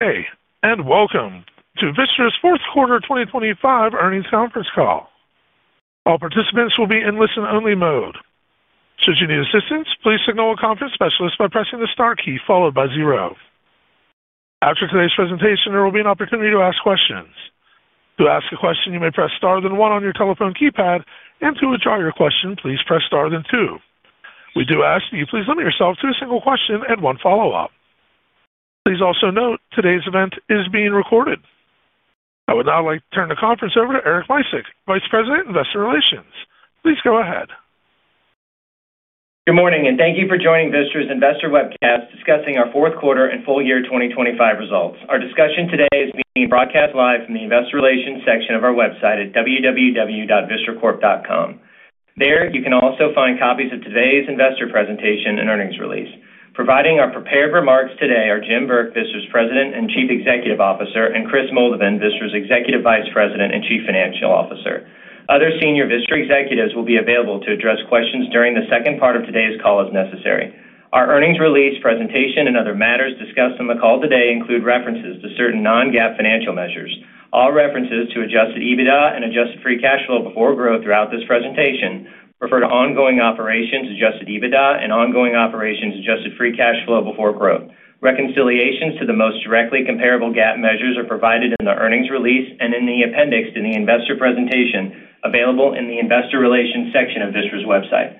Hey, welcome to Vistra's fourth quarter 2025 earnings conference call. All participants will be in listen-only mode. Should you need assistance, please signal a conference specialist by pressing the star key followed by zero. After today's presentation, there will be an opportunity to ask questions. To ask a question, you may press star, then one on your telephone keypad, and to withdraw your question, please press star, then two. We do ask that you please limit yourself to a single question and one follow-up. Please also note, today's event is being recorded. I would now like to turn the conference over to Eric Micek, Vice President, Investor Relations. Please go ahead. Good morning, and thank you for joining Vistra's Investor Webcast, discussing our fourth quarter and full year 2025 results. Our discussion today is being broadcast live from the investor relations section of our website at www.vistracorp.com. There, you can also find copies of today's investor presentation and earnings release. Providing our prepared remarks today are Jim Burke, Vistra's President and Chief Executive Officer, and Kris Moldovan, Vistra's Executive Vice President and Chief Financial Officer. Other senior Vistra executives will be available to address questions during the second part of today's call as necessary. Our earnings release presentation and other matters discussed on the call today include references to certain non-GAAP financial measures. All references to adjusted EBITDA and adjusted free cash flow before growth throughout this presentation refer to ongoing operations, adjusted EBITDA, and ongoing operations, adjusted free cash flow before growth. Reconciliations to the most directly comparable GAAP measures are provided in the earnings release and in the appendix in the investor presentation, available in the investor relations section of Vistra's website.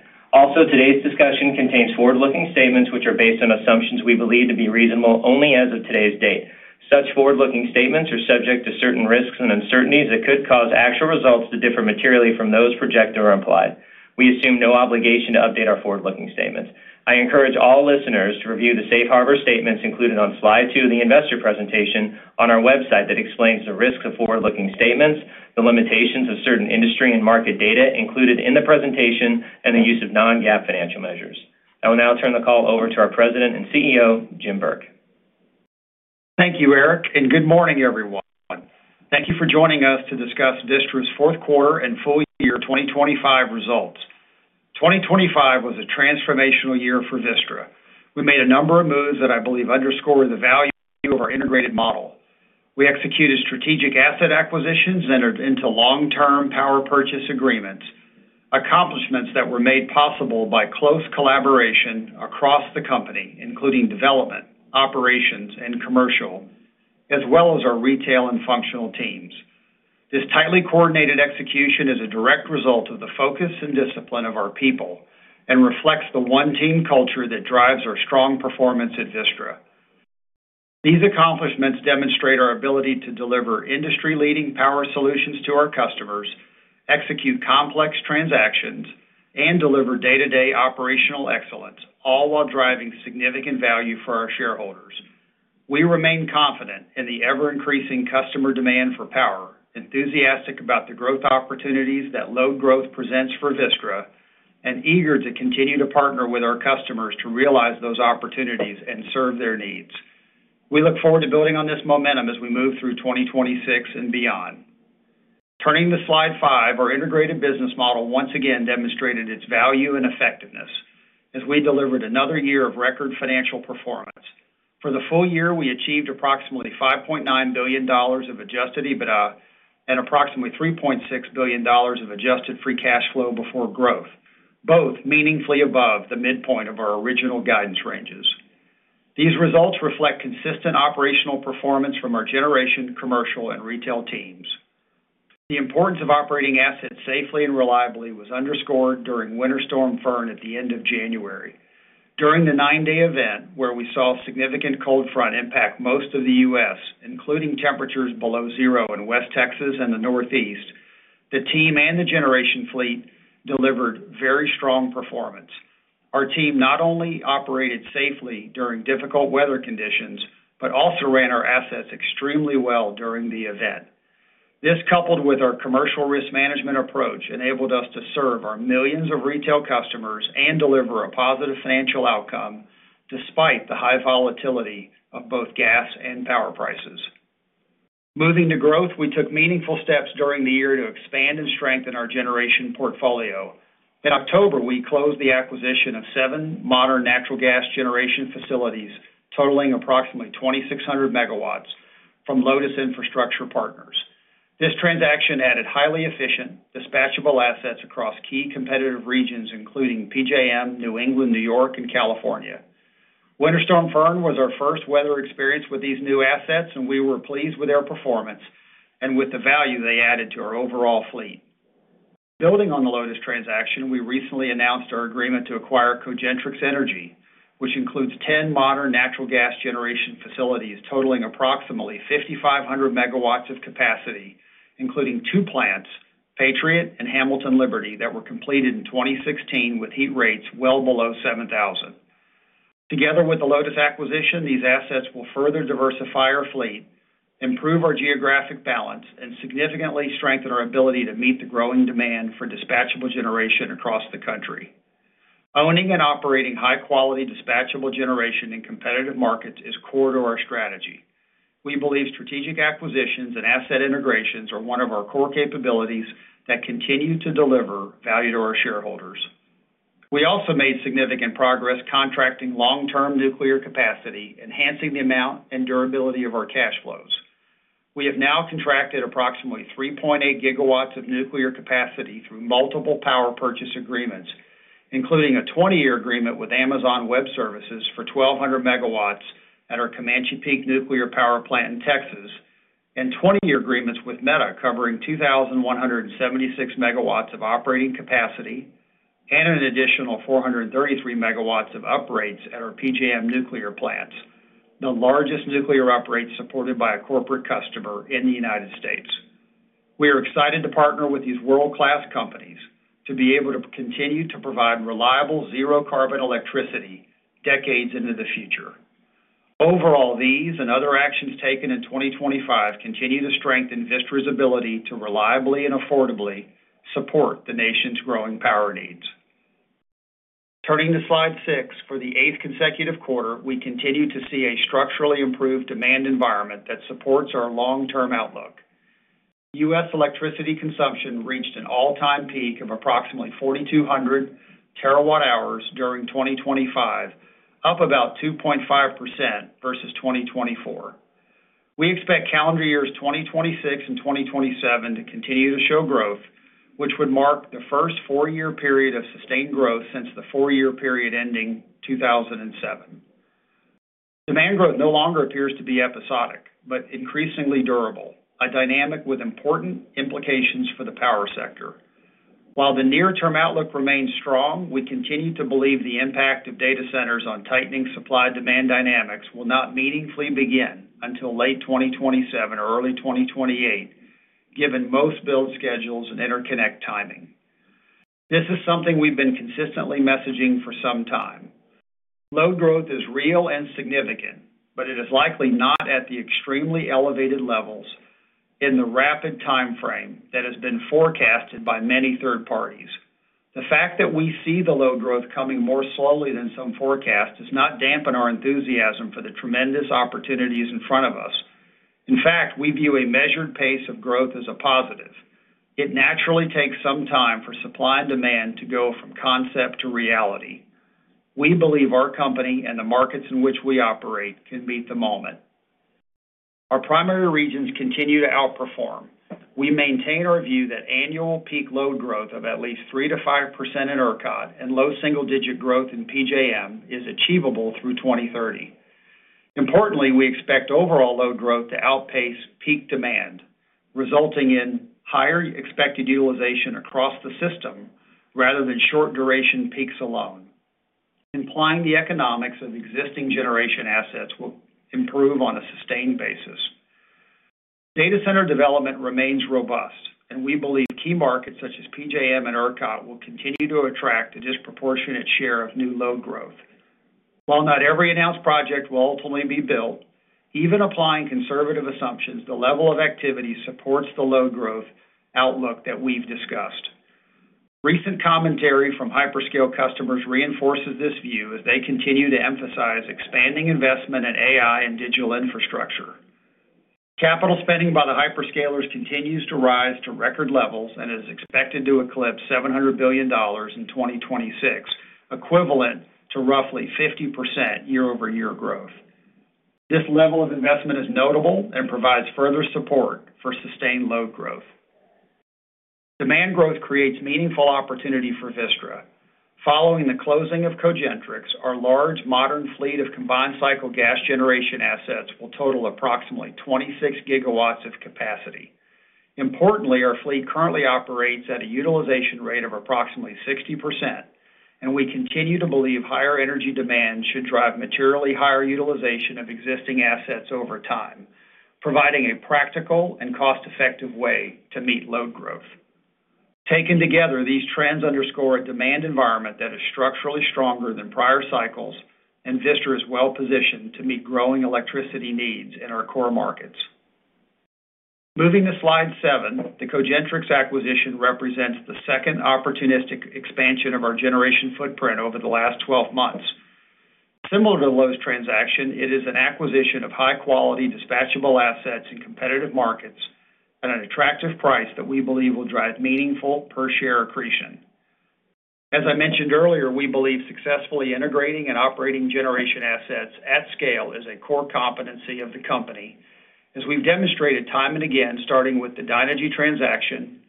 Today's discussion contains forward-looking statements which are based on assumptions we believe to be reasonable only as of today's date. Such forward-looking statements are subject to certain risks and uncertainties that could cause actual results to differ materially from those projected or implied. We assume no obligation to update our forward-looking statements. I encourage all listeners to review the safe harbor statements included on slide two of the investor presentation on our website that explains the risk of forward-looking statements, the limitations of certain industry and market data included in the presentation, and the use of non-GAAP financial measures. I will now turn the call over to our President and CEO, Jim Burke. Thank you, Eric, and good morning, everyone. Thank you for joining us to discuss Vistra's fourth quarter and full year 2025 results. 2025 was a transformational year for Vistra. We made a number of moves that I believe underscore the value of our integrated model. We executed strategic asset acquisitions and entered into long-term power purchase agreements, accomplishments that were made possible by close collaboration across the company, including development, operations, and commercial, as well as our retail and functional teams. This tightly coordinated execution is a direct result of the focus and discipline of our people and reflects the one-team culture that drives our strong performance at Vistra. These accomplishments demonstrate our ability to deliver industry-leading power solutions to our customers, execute complex transactions, and deliver day-to-day operational excellence, all while driving significant value for our shareholders. We remain confident in the ever-increasing customer demand for power, enthusiastic about the growth opportunities that load growth presents for Vistra, and eager to continue to partner with our customers to realize those opportunities and serve their needs. We look forward to building on this momentum as we move through 2026 and beyond. Turning to slide five, our integrated business model once again demonstrated its value and effectiveness as we delivered another year of record financial performance. For the full year, we achieved approximately $5.9 billion of adjusted EBITDA and approximately $3.6 billion of adjusted free cash flow before growth, both meaningfully above the midpoint of our original guidance ranges. These results reflect consistent operational performance from our generation, commercial, and retail teams. The importance of operating assets safely and reliably was underscored during Winter Storm Fern at the end of January. During the 9-day event, where we saw a significant cold front impact most of the U.S., including temperatures below 0 in West Texas and the Northeast, the team and the generation fleet delivered very strong performance. Our team not only operated safely during difficult weather conditions, but also ran our assets extremely well during the event. This, coupled with our commercial risk management approach, enabled us to serve our millions of retail customers and deliver a positive financial outcome, despite the high volatility of both gas and power prices. Moving to growth, we took meaningful steps during the year to expand and strengthen our generation portfolio. In October, we closed the acquisition of seven modern natural gas generation facilities, totaling approximately 2,600 MW from Lotus Infrastructure Partners. This transaction added highly efficient, dispatchable assets across key competitive regions, including PJM, New England, New York, and California. Winter Storm Fern was our first weather experience with these new assets, and we were pleased with their performance and with the value they added to our overall fleet. Building on the Lotus transaction, we recently announced our agreement to acquire Cogentrix Energy, which includes 10 modern natural gas generation facilities, totaling approximately 5,500 MW of capacity, including two plants, Patriot and Hamilton Liberty, that were completed in 2016 with heat rates well below 7,000. Together with the Lotus acquisition, these assets will further diversify our fleet, improve our geographic balance, and significantly strengthen our ability to meet the growing demand for dispatchable generation across the country. Owning and operating high-quality, dispatchable generation in competitive markets is core to our strategy. We believe strategic acquisitions and asset integrations are one of our core capabilities that continue to deliver value to our shareholders. We also made significant progress contracting long-term nuclear capacity, enhancing the amount and durability of our cash flows. We have now contracted approximately 3.8 GW of nuclear capacity through multiple power purchase agreements, including a 20-year agreement with Amazon Web Services for 1,200 MW at our Comanche Peak Nuclear Power Plant in Texas, and 20-year agreements with Meta, covering 2,176 MW of operating capacity and an additional 433 MW of upgrades at our PJM nuclear plants, the largest nuclear upgrade supported by a corporate customer in the United States. We are excited to partner with these world-class companies to be able to continue to provide reliable, zero carbon electricity decades into the future. Overall, these and other actions taken in 2025 continue to strengthen Vistra's ability to reliably and affordably support the nation's growing power needs. Turning to slide six. For the eighth consecutive quarter, we continue to see a structurally improved demand environment that supports our long-term outlook. U.S. electricity consumption reached an all-time peak of approximately 4,200 TWh during 2025, up about 2.5% versus 2024. We expect calendar years 2026 and 2027 to continue to show growth, which would mark the first four-year period of sustained growth since the four-year period ending 2007. Demand growth no longer appears to be episodic, but increasingly durable, a dynamic with important implications for the power sector. While the near-term outlook remains strong, we continue to believe the impact of data centers on tightening supply-demand dynamics will not meaningfully begin until late 2027 or early 2028, given most build schedules and interconnect timing. This is something we've been consistently messaging for some time. Load growth is real and significant, but it is likely not at the extremely elevated levels in the rapid time frame that has been forecasted by many third parties. The fact that we see the load growth coming more slowly than some forecasts does not dampen our enthusiasm for the tremendous opportunities in front of us. In fact, we view a measured pace of growth as a positive. It naturally takes some time for supply and demand to go from concept to reality. We believe our company and the markets in which we operate can meet the moment. Our primary regions continue to outperform. We maintain our view that annual peak load growth of at least 3%-5% in ERCOT and low single-digit growth in PJM is achievable through 2030. Importantly, we expect overall load growth to outpace peak demand, resulting in higher expected utilization across the system rather than short duration peaks alone, implying the economics of existing generation assets will improve on a sustained basis. Data center development remains robust, and we believe key markets such as PJM and ERCOT will continue to attract a disproportionate share of new load growth. While not every announced project will ultimately be built, even applying conservative assumptions, the level of activity supports the load growth outlook that we've discussed. Recent commentary from hyperscale customers reinforces this view as they continue to emphasize expanding investment in AI and digital infrastructure. Capital spending by the hyperscalers continues to rise to record levels and is expected to eclipse $700 billion in 2026, equivalent to roughly 50% year-over-year growth. This level of investment is notable and provides further support for sustained load growth. Demand growth creates meaningful opportunity for Vistra. Following the closing of Cogentrix, our large, modern fleet of combined cycle gas generation assets will total approximately 26 GW of capacity. Importantly, our fleet currently operates at a utilization rate of approximately 60%, and we continue to believe higher energy demand should drive materially higher utilization of existing assets over time, providing a practical and cost-effective way to meet load growth. Taken together, these trends underscore a demand environment that is structurally stronger than prior cycles. Vistra is well positioned to meet growing electricity needs in our core markets. Moving to slide seven. The Cogentrix acquisition represents the second opportunistic expansion of our generation footprint over the last 12 months. Similar to the Lotus transaction, it is an acquisition of high-quality, dispatchable assets in competitive markets at an attractive price that we believe will drive meaningful per share accretion. As I mentioned earlier, we believe successfully integrating and operating generation assets at scale is a core competency of the company, as we've demonstrated time and again, starting with the Dynegy transaction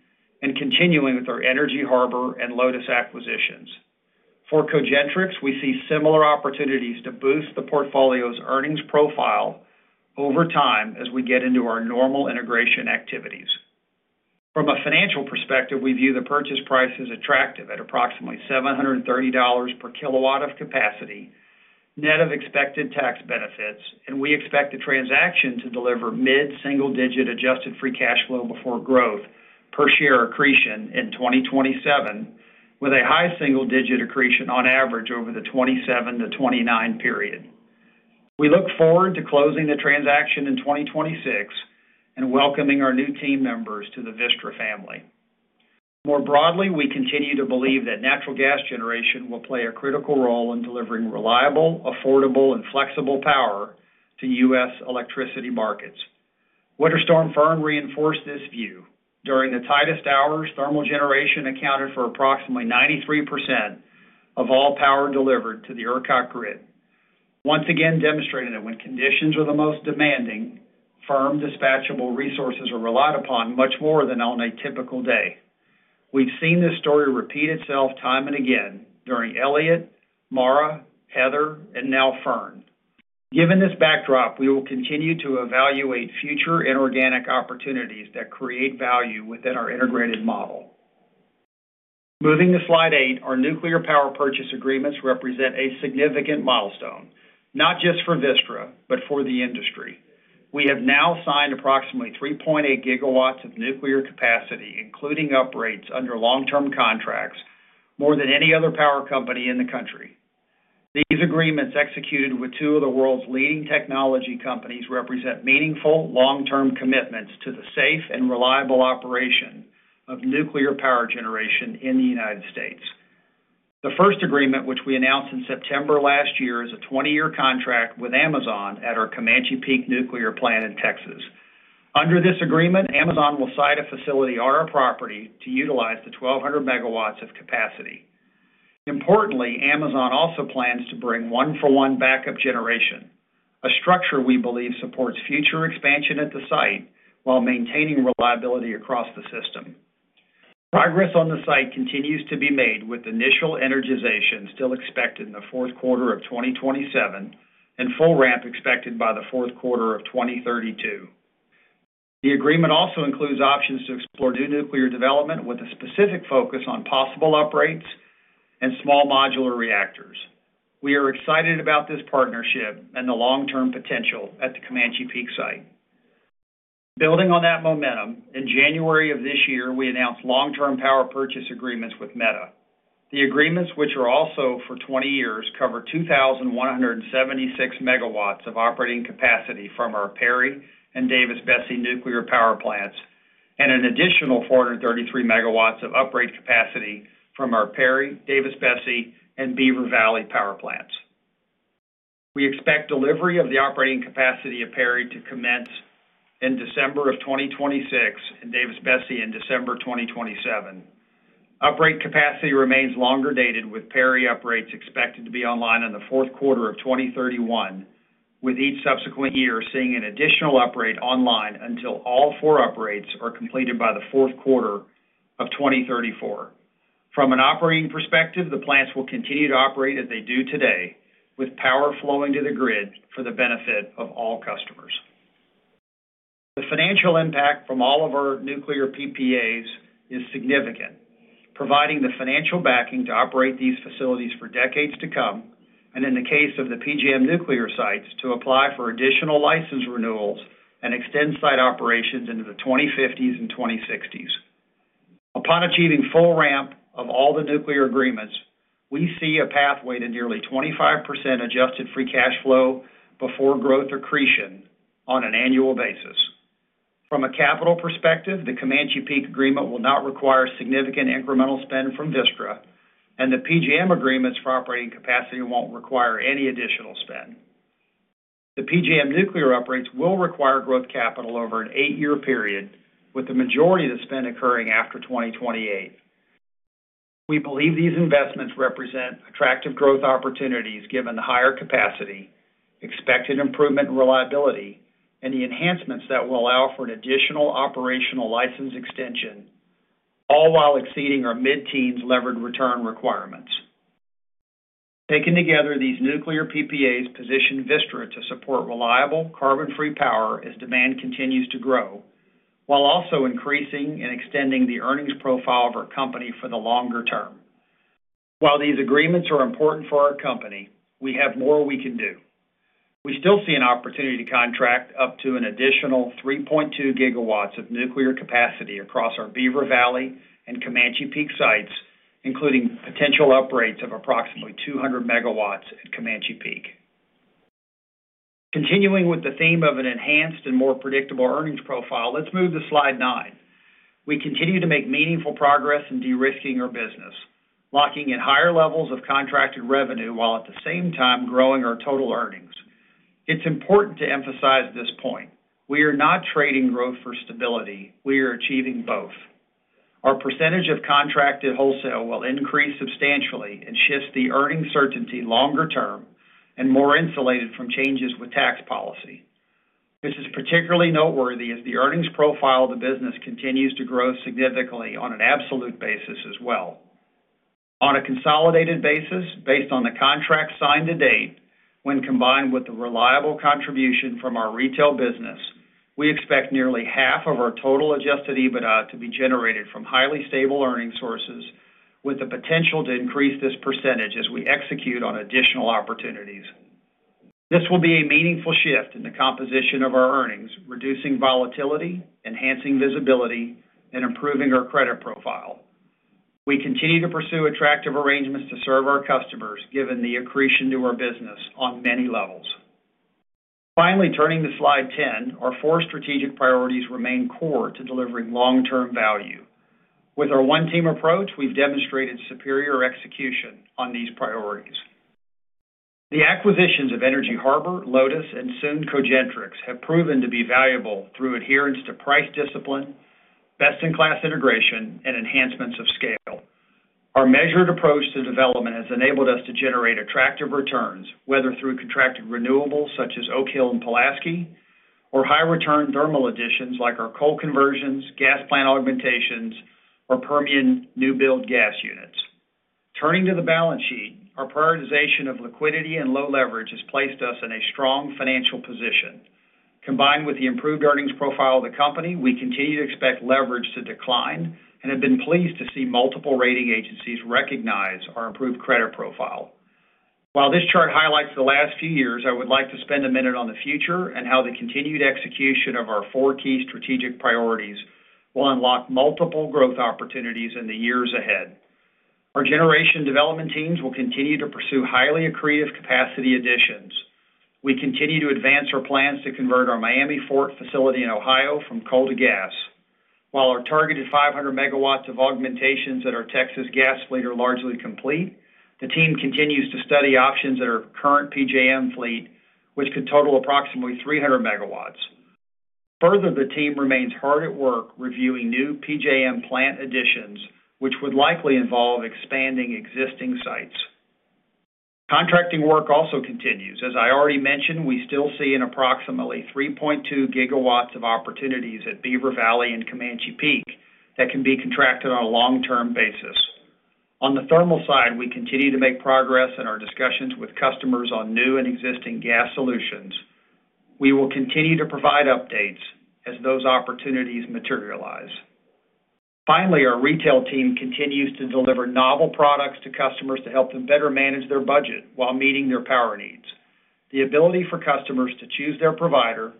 and continuing with our Energy Harbor and Lotus acquisitions. For Cogentrix, we see similar opportunities to boost the portfolio's earnings profile over time as we get into our normal integration activities. From a financial perspective, we view the purchase price as attractive at approximately $730 per kW of capacity, net of expected tax benefits, and we expect the transaction to deliver mid-single-digit adjusted free cash flow before growth per share accretion in 2027, with a high-single-digit accretion on average over the 2027-2029 period. We look forward to closing the transaction in 2026 and welcoming our new team members to the Vistra family. More broadly, we continue to believe that natural gas generation will play a critical role in delivering reliable, affordable, and flexible power to U.S. electricity markets. Winter Storm Fern reinforced this view. During the tightest hours, thermal generation accounted for approximately 93% of all power delivered to the ERCOT grid. Once again demonstrating that when conditions are the most demanding, firm dispatchable resources are relied upon much more than on a typical day. We've seen this story repeat itself time and again during Elliott, Mara, Heather, and now Fern. Given this backdrop, we will continue to evaluate future inorganic opportunities that create value within our integrated model. Moving to slide eight, our nuclear power purchase agreements represent a significant milestone, not just for Vistra, but for the industry. We have now signed approximately 3.8 GW of nuclear capacity, including uprates, under long-term contracts, more than any other power company in the country. These agreements, executed with two of the world's leading technology companies, represent meaningful, long-term commitments to the safe and reliable operation of nuclear power generation in the United States. The first agreement, which we announced in September last year, is a 20-year contract with Amazon at our Comanche Peak Nuclear Plant in Texas. Under this agreement, Amazon will site a facility on our property to utilize the 1,200 MW of capacity. Importantly, Amazon also plans to bring 1-for-1 backup generation, a structure we believe supports future expansion at the site while maintaining reliability across the system. Progress on the site continues to be made, with initial energization still expected in the fourth quarter of 2027 and full ramp expected by the fourth quarter of 2032. The agreement also includes options to explore new nuclear development, with a specific focus on possible uprates and small modular reactors. We are excited about this partnership and the long-term potential at the Comanche Peak site. Building on that momentum, in January of this year, we announced long-term power purchase agreements with Meta. The agreements, which are also for 20 years, cover 2,176 MW of operating capacity from our Perry and Davis-Besse nuclear power plants, and an additional 433 MW of upgrade capacity from our Perry, Davis-Besse, and Beaver Valley power plants. We expect delivery of the operating capacity at Perry to commence in December 2026, and Davis-Besse in December 2027. Uprate capacity remains longer dated, with Perry uprates expected to be online in the fourth quarter of 2031, with each subsequent year seeing an additional upgrade online until all four uprates are completed by the fourth quarter of 2034. From an operating perspective, the plants will continue to operate as they do today, with power flowing to the grid for the benefit of all customers. The financial impact from all of our nuclear PPAs is significant, providing the financial backing to operate these facilities for decades to come, and in the case of the PJM nuclear sites, to apply for additional license renewals and extend site operations into the 2050s and 2060s. Upon achieving full ramp of all the nuclear agreements, we see a pathway to nearly 25% adjusted free cash flow before growth accretion on an annual basis. From a capital perspective, the Comanche Peak agreement will not require significant incremental spend from Vistra, and the PJM agreements for operating capacity won't require any additional spend. The PJM nuclear uprates will require growth capital over an 8-year period, with the majority of the spend occurring after 2028. We believe these investments represent attractive growth opportunities, given the higher capacity, expected improvement in reliability, and the enhancements that will allow for an additional operational license extension, all while exceeding our mid-teens levered return requirements. Taken together, these nuclear PPAs position Vistra to support reliable, carbon-free power as demand continues to grow, while also increasing and extending the earnings profile of our company for the longer term. While these agreements are important for our company, we have more we can do. We still see an opportunity to contract up to an additional 3.2 GW of nuclear capacity across our Beaver Valley and Comanche Peak sites, including potential uprates of approximately 200 MW at Comanche Peak. Continuing with the theme of an enhanced and more predictable earnings profile, let's move to slide nine. We continue to make meaningful progress in de-risking our business, locking in higher levels of contracted revenue, while at the same time growing our total earnings. It's important to emphasize this point: we are not trading growth for stability. We are achieving both. Our percentage of contracted wholesale will increase substantially and shifts the earnings certainty longer term and more insulated from changes with tax policy. This is particularly noteworthy as the earnings profile of the business continues to grow significantly on an absolute basis as well. On a consolidated basis, based on the contracts signed to date, when combined with the reliable contribution from our retail business, we expect nearly half of our total adjusted EBITDA to be generated from highly stable earnings sources, with the potential to increase this % as we execute on additional opportunities. This will be a meaningful shift in the composition of our earnings, reducing volatility, enhancing visibility, and improving our credit profile. We continue to pursue attractive arrangements to serve our customers, given the accretion to our business on many levels. Turning to slide 10, our four strategic priorities remain core to delivering long-term value. With our one-team approach, we've demonstrated superior execution on these priorities. The acquisitions of Energy Harbor, Lotus, and soon Cogentrix have proven to be valuable through adherence to price discipline, best-in-class integration, and enhancements of scale. Our measured approach to development has enabled us to generate attractive returns, whether through contracted renewables such as Oak Hill and Pulaski, or high return thermal additions like our coal conversions, gas plant augmentations, or Permian new build gas units. Turning to the balance sheet, our prioritization of liquidity and low leverage has placed us in a strong financial position. Combined with the improved earnings profile of the company, we continue to expect leverage to decline and have been pleased to see multiple rating agencies recognize our improved credit profile. While this chart highlights the last few years, I would like to spend a minute on the future and how the continued execution of our four key strategic priorities will unlock multiple growth opportunities in the years ahead. Our generation development teams will continue to pursue highly accretive capacity additions. We continue to advance our plans to convert our Miami Fort facility in Ohio from coal to gas. While our targeted 500 MW of augmentations at our Texas gas fleet are largely complete, the team continues to study options at our current PJM fleet, which could total approximately 300 MW. The team remains hard at work reviewing new PJM plant additions, which would likely involve expanding existing sites. Contracting work also continues. As I already mentioned, we still see an approximately 3.2 GW of opportunities at Beaver Valley and Comanche Peak that can be contracted on a long-term basis. On the thermal side, we continue to make progress in our discussions with customers on new and existing gas solutions. We will continue to provide updates as those opportunities materialize. Finally, our retail team continues to deliver novel products to customers to help them better manage their budget while meeting their power needs. The ability for customers to choose their provider,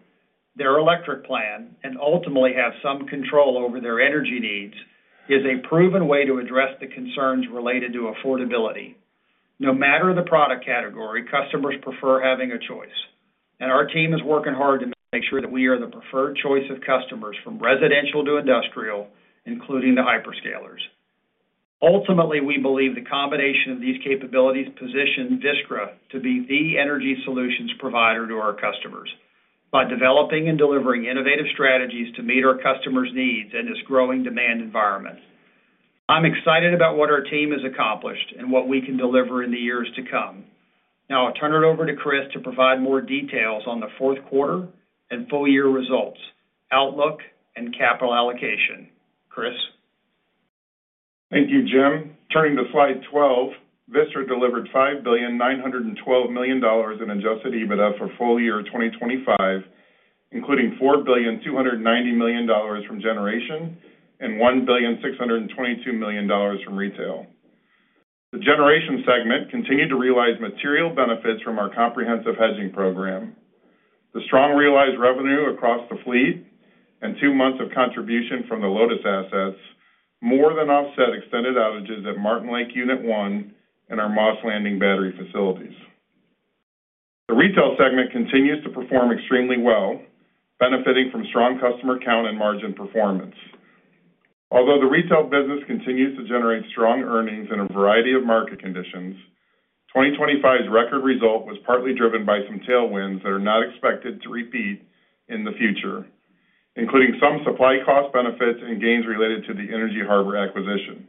their electric plan, and ultimately have some control over their energy needs, is a proven way to address the concerns related to affordability. No matter the product category, customers prefer having a choice, and our team is working hard to make sure that we are the preferred choice of customers, from residential to industrial, including the hyperscalers. Ultimately, we believe the combination of these capabilities position Vistra to be the energy solutions provider to our customers by developing and delivering innovative strategies to meet our customers' needs in this growing demand environment. I'm excited about what our team has accomplished and what we can deliver in the years to come. I'll turn it over to Kris to provide more details on the fourth quarter and full year results, outlook, and capital allocation. Kris? Thank you, Jim. Turning to slide 12, Vistra delivered $5,912 million in adjusted EBITDA for full year 2025, including $4,290 million from generation and $1,622 million from retail. The generation segment continued to realize material benefits from our comprehensive hedging program. The strong realized revenue across the fleet and two months of contribution from the Lotus assets more than offset extended outages at Martin Lake Unit One and our Moss Landing battery facilities. The retail segment continues to perform extremely well, benefiting from strong customer count and margin performance. Although the retail business continues to generate strong earnings in a variety of market conditions, 2025's record result was partly driven by some tailwinds that are not expected to repeat in the future, including some supply cost benefits and gains related to the Energy Harbor acquisition.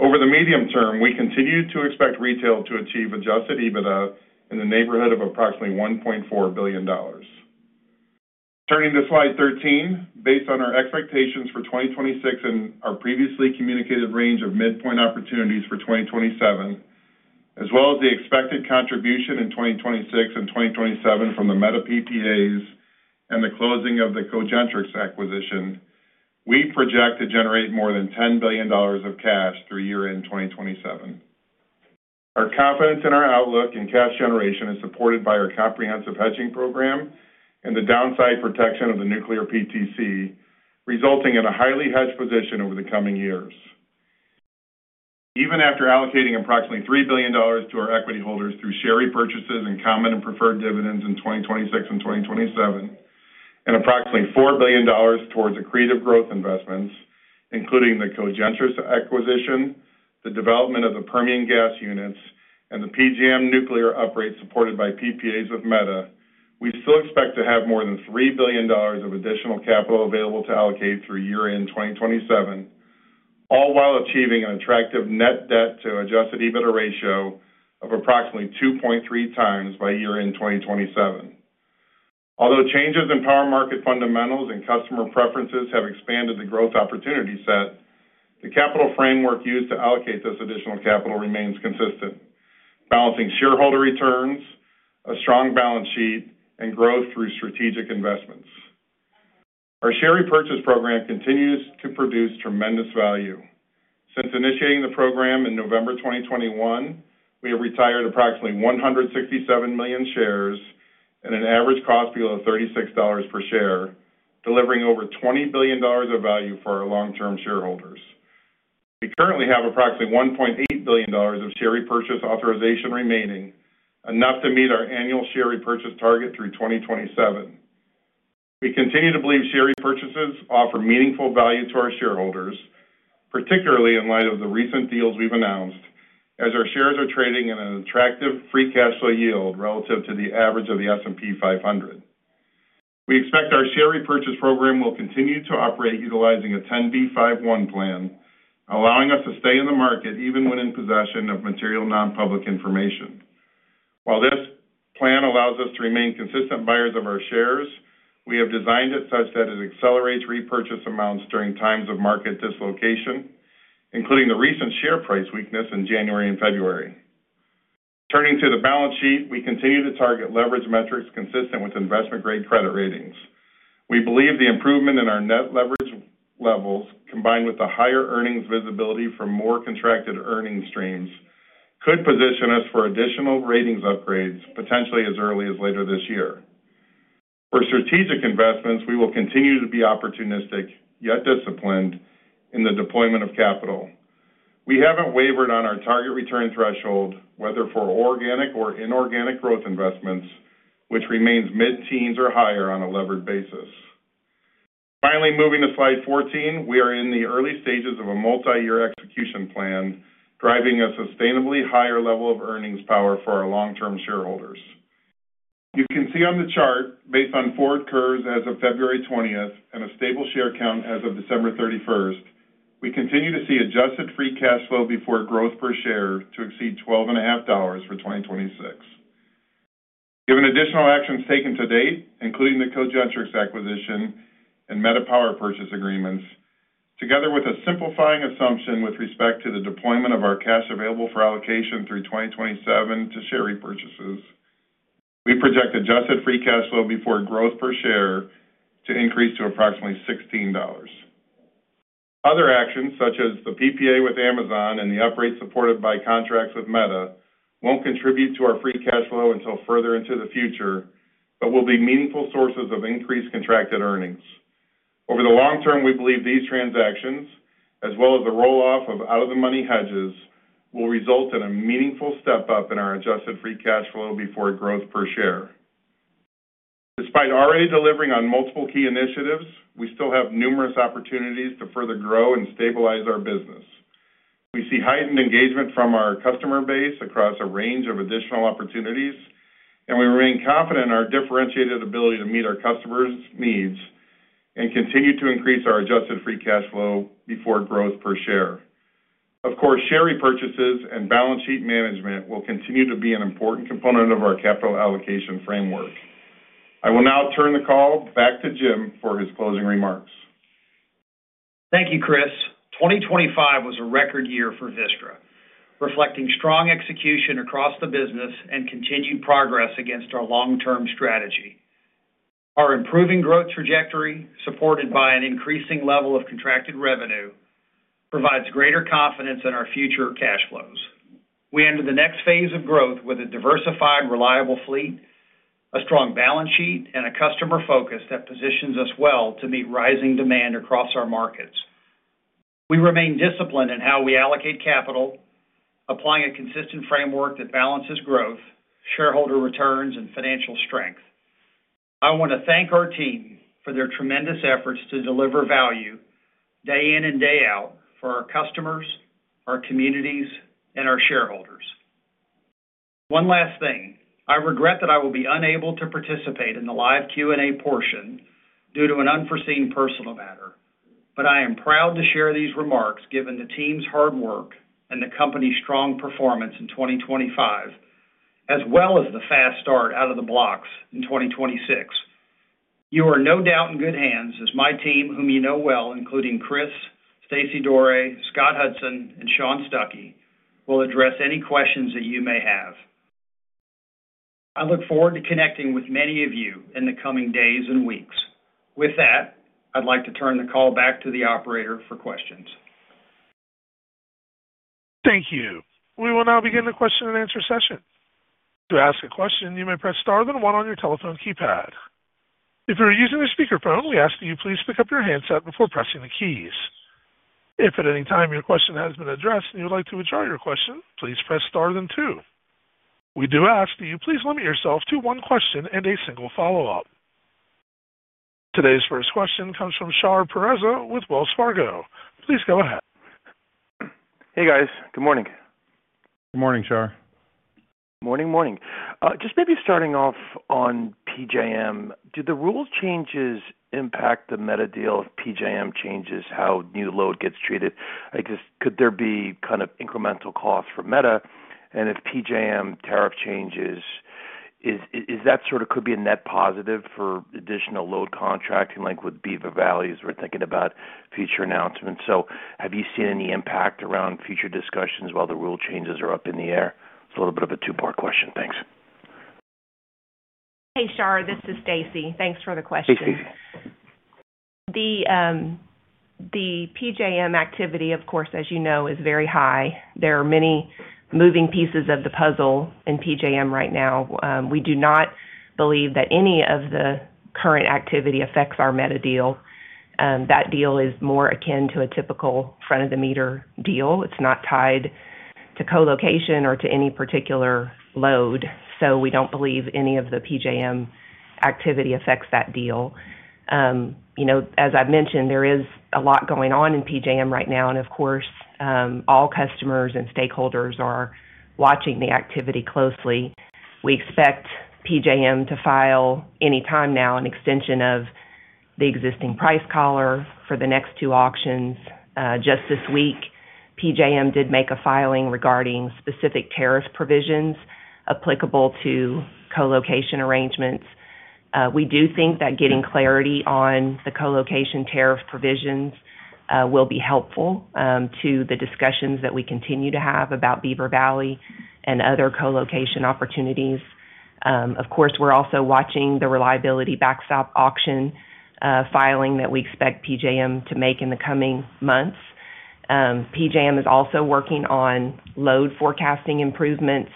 Over the medium term, we continue to expect retail to achieve adjusted EBITDA in the neighborhood of approximately $1.4 billion. Turning to slide 13, based on our expectations for 2026 and our previously communicated range of midpoint opportunities for 2027, as well as the expected contribution in 2026 and 2027 from the Meta PPAs and the closing of the Cogentrix acquisition, we project to generate more than $10 billion of cash through year-end 2027. Our confidence in our outlook and cash generation is supported by our comprehensive hedging program and the downside protection of the nuclear PTC, resulting in a highly hedged position over the coming years. Even after allocating approximately $3 billion to our equity holders through share repurchases and common and preferred dividends in 2026 and 2027, and approximately $4 billion towards accretive growth investments, including the Cogentrix acquisition, the development of the Permian gas units, and the PJM nuclear upgrades supported by PPAs with Meta, we still expect to have more than $3 billion of additional capital available to allocate through year-end 2027, all while achieving an attractive net debt to adjusted EBITDA ratio of approximately 2.3 times by year-end 2027. Although changes in power market fundamentals and customer preferences have expanded the growth opportunity set, the capital framework used to allocate this additional capital remains consistent, balancing shareholder returns, a strong balance sheet, and growth through strategic investments. Our share repurchase program continues to produce tremendous value. Since initiating the program in November 2021, we have retired approximately 167 million shares at an average cost below $36 per share, delivering over $20 billion of value for our long-term shareholders. We currently have approximately $1.8 billion of share repurchase authorization remaining, enough to meet our annual share repurchase target through 2027. We continue to believe share repurchases offer meaningful value to our shareholders, particularly in light of the recent deals we've announced, as our shares are trading in an attractive free cash flow yield relative to the average of the S&P 500. We expect our share repurchase program will continue to operate utilizing a 10b5-1 plan, allowing us to stay in the market even when in possession of material non-public information. While this plan allows us to remain consistent buyers of our shares, we have designed it such that it accelerates repurchase amounts during times of market dislocation, including the recent share price weakness in January and February. Turning to the balance sheet, we continue to target leverage metrics consistent with investment-grade credit ratings. We believe the improvement in our net leverage levels, combined with the higher earnings visibility from more contracted earnings streams, could position us for additional ratings upgrades, potentially as early as later this year. For strategic investments, we will continue to be opportunistic, yet disciplined, in the deployment of capital. We haven't wavered on our target return threshold, whether for organic or inorganic growth investments, which remains mid-teens or higher on a levered basis. Finally, moving to slide 14, we are in the early stages of a multi-year execution plan, driving a sustainably higher level of earnings power for our long-term shareholders. You can see on the chart, based on forward curves as of February 20th and a stable share count as of December 31st, we continue to see adjusted free cash flow before growth per share to exceed $12.50 for 2026. Given additional actions taken to date, including the Cogentrix acquisition and Meta power purchase agreements, together with a simplifying assumption with respect to the deployment of our cash available for allocation through 2027 to share repurchases, we project adjusted free cash flow before growth per share to increase to approximately $16. Other actions, such as the PPA with Amazon and the upgrade supported by contracts with Meta, won't contribute to our free cash flow until further into the future, but will be meaningful sources of increased contracted earnings. Over the long term, we believe these transactions, as well as the roll-off of out-of-the-money hedges, will result in a meaningful step-up in our adjusted free cash flow before growth per share. Despite already delivering on multiple key initiatives, we still have numerous opportunities to further grow and stabilize our business. We see heightened engagement from our customer base across a range of additional opportunities, and we remain confident in our differentiated ability to meet our customers' needs and continue to increase our adjusted free cash flow before growth per share. Of course, share repurchases and balance sheet management will continue to be an important component of our capital allocation framework. I will now turn the call back to Jim for his closing remarks. Thank you, Kris. 2025 was a record year for Vistra, reflecting strong execution across the business and continued progress against our long-term strategy. Our improving growth trajectory, supported by an increasing level of contracted revenue, provides greater confidence in our future cash flows. We enter the next phase of growth with a diversified, reliable fleet, a strong balance sheet, and a customer focus that positions us well to meet rising demand across our markets. We remain disciplined in how we allocate capital, applying a consistent framework that balances growth, shareholder returns, and financial strength. I want to thank our team for their tremendous efforts to deliver value day in and day out for our customers, our communities, and our shareholders. One last thing. I regret that I will be unable to participate in the live Q&A portion due to an unforeseen personal matter, but I am proud to share these remarks, given the team's hard work and the company's strong performance in 2025, as well as the fast start out of the blocks in 2026. You are no doubt in good hands as my team, whom you know well, including Kris, Stacey Doré, Scott Hudson, and Shawn Stuckey, will address any questions that you may have. I look forward to connecting with many of you in the coming days and weeks. With that, I'd like to turn the call back to the operator for questions. Thank you. We will now begin the question-and-answer session. To ask a question, you may press star then one on your telephone keypad. If you are using a speakerphone, we ask that you please pick up your handset before pressing the keys. If at any time your question has been addressed and you would like to withdraw your question, please press star then two. We do ask that you please limit yourself to one question and a single follow-up. Today's first question comes from Shar Pourreza with Wells Fargo. Please go ahead. Hey, guys. Good morning. Good morning, Char. Morning. Morning. Just maybe starting off on PJM, did the rule changes impact the Meta deal if PJM changes how new load gets treated? I guess, could there be kind of incremental costs for Meta? If PJM tariff changes, is that sort of could be a net positive for additional load contracting, like with Beaver Valleys, we're thinking about future announcements. Have you seen any impact around future discussions while the rule changes are up in the air? It's a little bit of a two-part question. Thanks. Hey, Shar, this is Stacey. Thanks for the question. Hey, Stacey. The, the PJM activity, of course, as you know, is very high. There are many moving pieces of the puzzle in PJM right now. We do not believe that any of the current activity affects our Meta deal. That deal is more akin to a typical front-of-the-meter deal. It's not tied to co-location or to any particular load, so we don't believe any of the PJM activity affects that deal. You know, as I've mentioned, there is a lot going on in PJM right now, and of course, all customers and stakeholders are watching the activity closely. We expect PJM to file anytime now, an extension of the existing price collar for the next two auctions. Just this week, PJM did make a filing regarding specific tariff provisions applicable to co-location arrangements. We do think that getting clarity on the co-location tariff provisions will be helpful to the discussions that we continue to have about Beaver Valley and other co-location opportunities. Of course, we're also watching the reliability backstop auction filing that we expect PJM to make in the coming months. PJM is also working on load forecasting improvements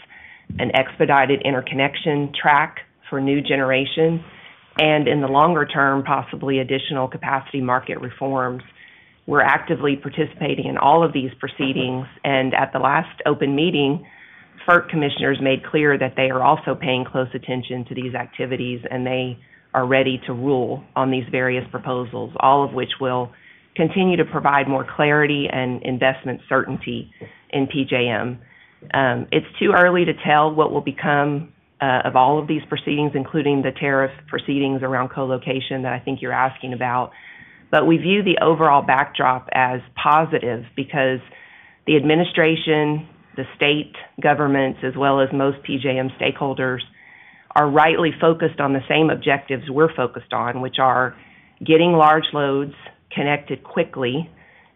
and expedited interconnection track for new generation, and in the longer term, possibly additional capacity market reforms. We're actively participating in all of these proceedings, and at the last open meeting, FERC commissioners made clear that they are also paying close attention to these activities, and they are ready to rule on these various proposals, all of which will continue to provide more clarity and investment certainty in PJM. It's too early to tell what will become of all of these proceedings, including the tariff proceedings around co-location that I think you're asking about. We view the overall backdrop as positive because the administration, the state governments, as well as most PJM stakeholders, are rightly focused on the same objectives we're focused on, which are getting large loads connected quickly,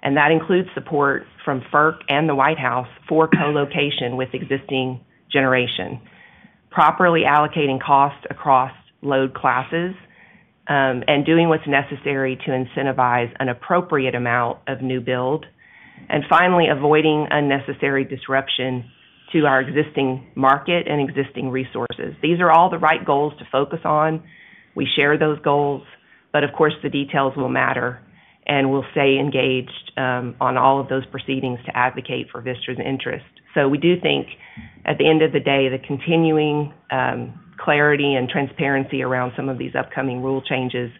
and that includes support from FERC and the White House for co-location with existing generation. Properly allocating costs across load classes, and doing what's necessary to incentivize an appropriate amount of new build, and finally, avoiding unnecessary disruption to our existing market and existing resources. These are all the right goals to focus on. We share those goals, but of course, the details will matter, and we'll stay engaged on all of those proceedings to advocate for Vistra's interest. We do think, at the end of the day, the continuing clarity and transparency around some of these upcoming rule changes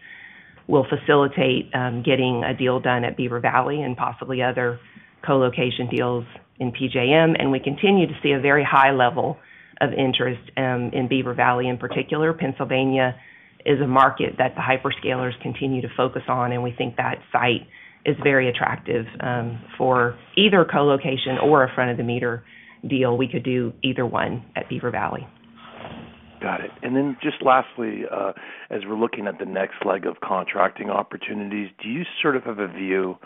will facilitate getting a deal done at Beaver Valley and possibly other co-location deals in PJM. We continue to see a very high level of interest in Beaver Valley in particular. Pennsylvania is a market that the hyperscalers continue to focus on, and we think that site is very attractive for either co-location or a front-of-the-meter deal. We could do either one at Beaver Valley. Got it. Just lastly, as we're looking at the next leg of contracting opportunities, do you sort of have a view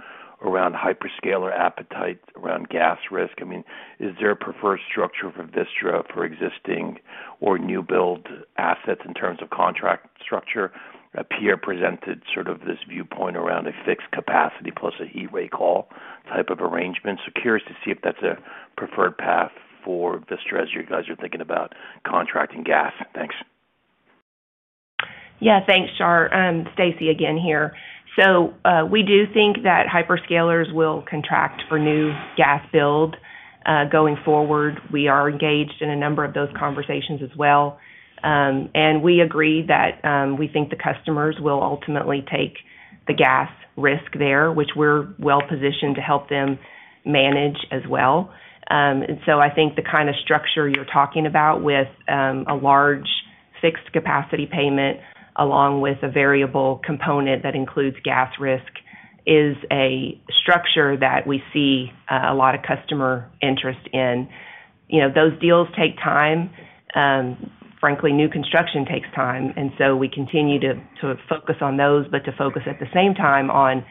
around hyperscaler appetite around gas risk? I mean, is there a preferred structure for Vistra, for existing or new build assets in terms of contract structure? A peer presented sort of this viewpoint around a fixed capacity plus a heat rate call type of arrangement. Curious to see if that's a preferred path for Vistra as you guys are thinking about contracting gas. Thanks. Thanks, Char. Stacey again here. We do think that hyperscalers will contract for new gas build going forward. We are engaged in a number of those conversations as well. We agree that we think the customers will ultimately take the gas risk there, which we're well-positioned to help them manage as well. I think the kind of structure you're talking about with a large fixed capacity payment, along with a variable component that includes gas risk, is a structure that we see a lot of customer interest in. You know, those deals take time. Frankly, new construction takes time, we continue to focus on those, but to focus at the same time on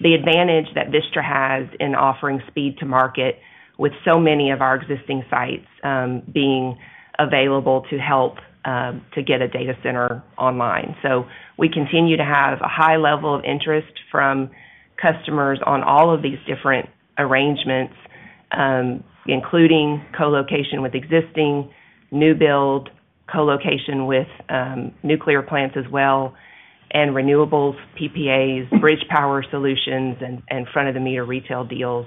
the advantage that Vistra has in offering speed to market with so many of our existing sites, being available to help to get a data center online. We continue to have a high level of interest from customers on all of these different arrangements, including co-location with existing, new build, co-location with nuclear plants as well, and renewables, PPAs, bridge power solutions, and front-of-the-meter retail deals.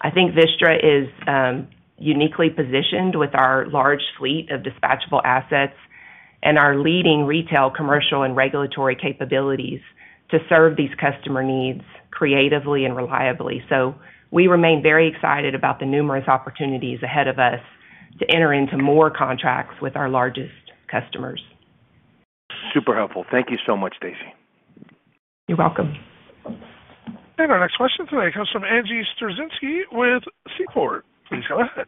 I think Vistra is uniquely positioned with our large fleet of dispatchable assets and our leading retail, commercial, and regulatory capabilities to serve these customer needs creatively and reliably. We remain very excited about the numerous opportunities ahead of us to enter into more contracts with our largest customers. Super helpful. Thank you so much, Stacey. You're welcome. Our next question today comes from Angie Storozynski with Seaport. Please go ahead.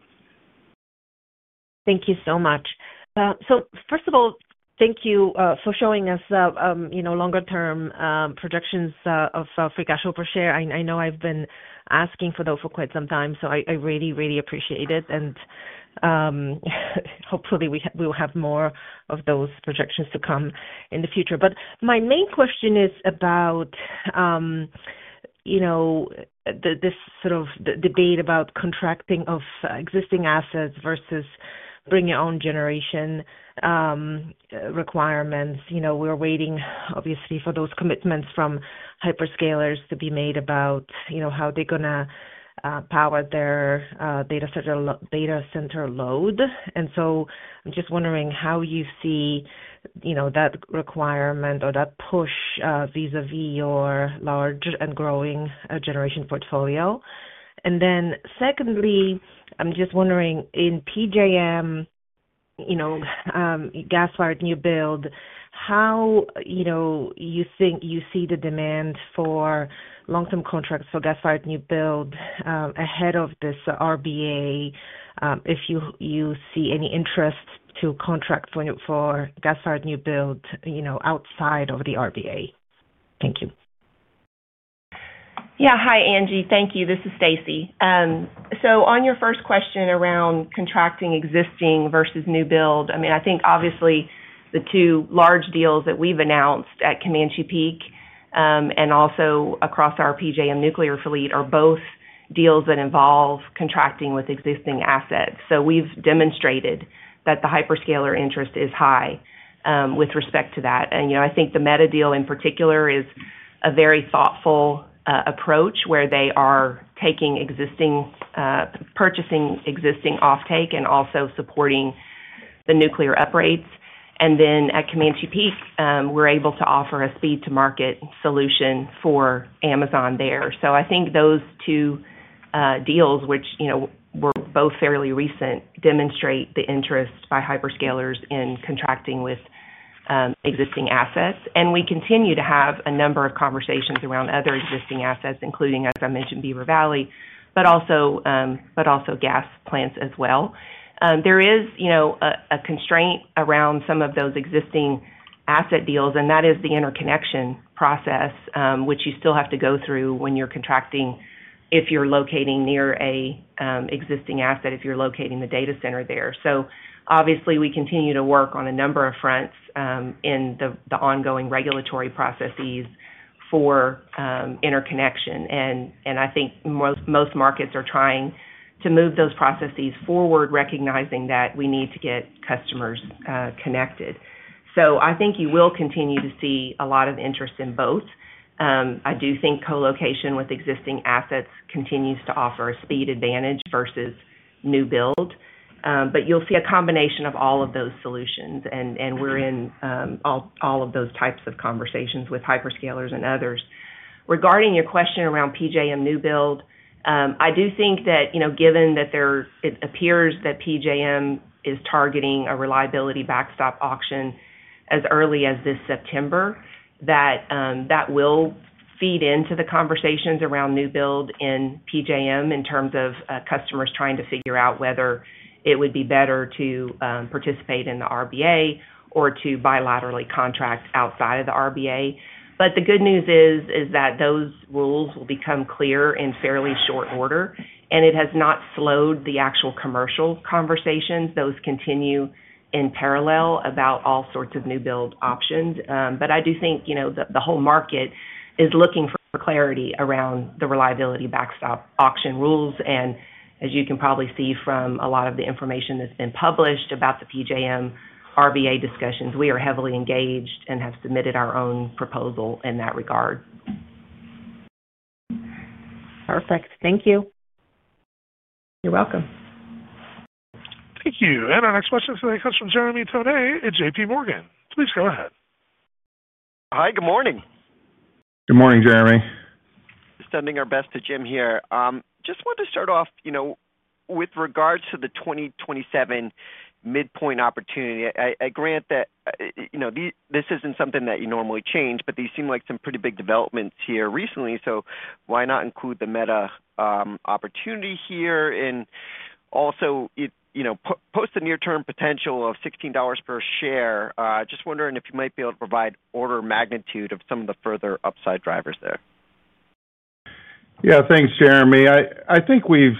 Thank you so much. First of all, thank you for showing us the, you know, longer-term projections of free cash flow per share. I know I've been asking for those for quite some time, I really, really appreciate it, and hopefully we will have more of those projections to come in the future. My main question is about, you know, the, this sort of debate about contracting of existing assets versus... Bring your own generation requirements. You know, we're waiting, obviously, for those commitments from hyperscalers to be made about, you know, how they're going to power their data center load. I'm just wondering how you see, you know, that requirement or that push vis-a-vis your large and growing generation portfolio. Secondly, I'm just wondering, in PJM, you know, gas-fired new build, how, you know, you think you see the demand for long-term contracts for gas-fired new build, ahead of this RBA, if you see any interest to contract for gas-fired new build, you know, outside of the RBA? Thank you. Hi, Angie. Thank you. This is Stacey. On your first question around contracting existing versus new build, I mean, I think obviously the two large deals that we've announced at Comanche Peak, and also across our PJM nuclear fleet, are both deals that involve contracting with existing assets. We've demonstrated that the hyperscaler interest is high with respect to that. You know, I think the Meta deal in particular is a very thoughtful approach, where they are taking existing, purchasing existing offtake and also supporting the nuclear uprates. At Comanche Peak, we're able to offer a speed to market solution for Amazon there. I think those two deals, which, you know, were both fairly recent, demonstrate the interest by hyperscalers in contracting with existing assets. We continue to have a number of conversations around other existing assets, including, as I mentioned, Beaver Valley, but also gas plants as well. There is, you know, a constraint around some of those existing asset deals, and that is the interconnection process, which you still have to go through when you're contracting, if you're locating near a existing asset, if you're locating the data center there. Obviously, we continue to work on a number of fronts in the ongoing regulatory processes for interconnection. I think most markets are trying to move those processes forward, recognizing that we need to get customers connected. I think you will continue to see a lot of interest in both. I do think colocation with existing assets continues to offer a speed advantage versus new build. You'll see a combination of all of those solutions, and we're in all of those types of conversations with hyperscalers and others. Regarding your question around PJM new build, I do think that, you know, given that it appears that PJM is targeting a reliability backstop auction as early as this September, that will feed into the conversations around new build in PJM, in terms of customers trying to figure out whether it would be better to participate in the RBA or to bilaterally contract outside of the RBA. The good news is that those rules will become clear in fairly short order, and it has not slowed the actual commercial conversations. Those continue in parallel about all sorts of new build options. I do think, you know, the whole market is looking for clarity around the Reliability Backstop Auction rules. As you can probably see from a lot of the information that's been published about the PJM RBA discussions, we are heavily engaged and have submitted our own proposal in that regard. Perfect. Thank you. You're welcome. Thank you. Our next question today comes from Jeremy Tonet at J.P. Morgan. Please go ahead. Hi, good morning. Good morning, Jeremy. Sending our best to Jim here. Just wanted to start off, you know, with regards to the 2027 midpoint opportunity. I grant that, you know, this isn't something that you normally change, but these seem like some pretty big developments here recently, so why not include the Meta opportunity here? It, you know, post the near-term potential of $16 per share, just wondering if you might be able to provide order of magnitude of some of the further upside drivers there. Thanks, Jeremy. I think we've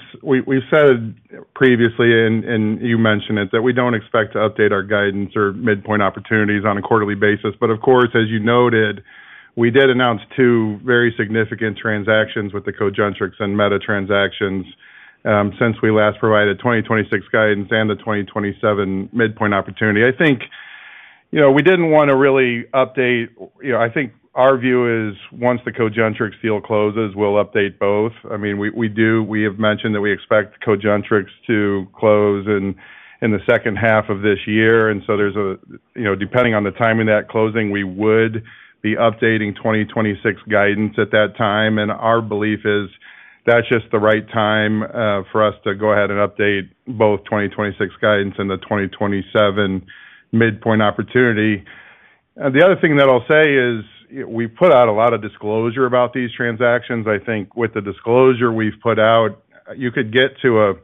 said previously, and you mentioned it, that we don't expect to update our guidance or midpoint opportunities on a quarterly basis. Of course, as you noted, we did announce two very significant transactions with the Cogentrix and Meta transactions, since we last provided 2026 guidance and the 2027 midpoint opportunity. I think, you know, we didn't want to really update. You know, I think our view is once the Cogentrix deal closes, we'll update both. I mean, we have mentioned that we expect Cogentrix to close in the second half of this year, there's a, you know, depending on the timing of that closing, we would be updating 2026 guidance at that time. Our belief is that's just the right time for us to go ahead and update both 2026 guidance and the 2027 midpoint opportunity. The other thing that I'll say is, we put out a lot of disclosure about these transactions. I think with the disclosure we've put out, you could get to a,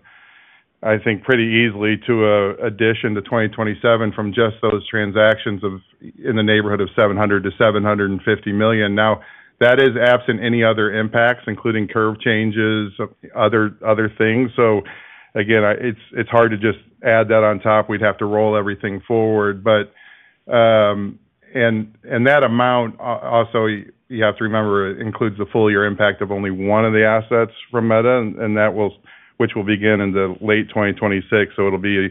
I think, pretty easily to a addition to 2027 from just those transactions of, in the neighborhood of $700 million-$750 million. That is absent any other impacts, including curve changes, other things. Again, it's hard to just add that on top. We'd have to roll everything forward, but. That amount also, you have to remember, it includes the full year impact of only one of the assets from Meta, which will begin in the late 2026. It'll be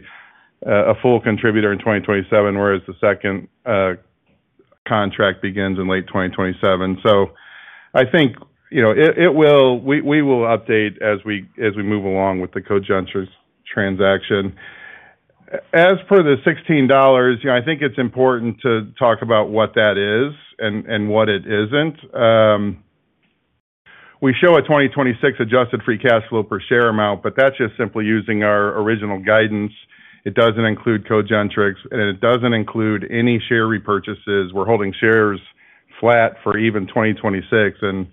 a full contributor in 2027, whereas the second contract begins in late 2027. I think, you know, it will. We will update as we move along with the Cogentrix transaction. As per the $16, I think it's important to talk about what that is and what it isn't. We show a 2026 adjusted free cash flow per share amount, but that's just simply using our original guidance. It doesn't include Cogentrix, and it doesn't include any share repurchases. We're holding shares flat for even 2026, and